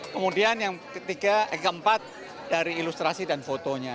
kemudian yang ketiga keempat dari ilustrasi dan fotonya